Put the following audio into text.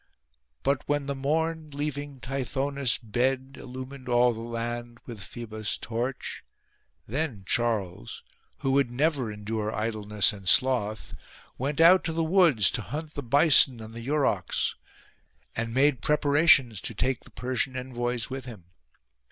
" But when the Morn, leaving Tithonus' bed, Illumined all the land with Phcebus' torch " then Charles, who would never endure idleness and sloth, went out to the woods to hunt the bison and the urochs ; and made preparations to take the Persian envoys with him.